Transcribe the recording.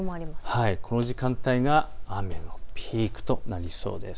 この時間帯が雨のピークとなりそうです。